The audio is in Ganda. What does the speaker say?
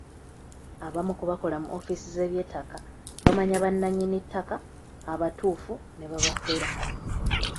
Abamu ku bakola mu ofiisi z'eby'ettaka bamanya bannannyini ttaka abatuufu ne babafera.